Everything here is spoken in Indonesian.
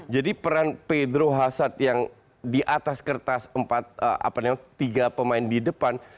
jadi peran pedro hazard yang di atas kertas tiga pemain di depan